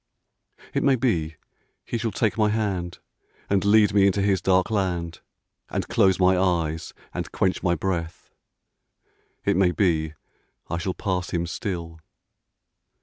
It may be he shall take my hand And lead me into his dark land And close my eyes and quench my breath — It may be I shall pass him still.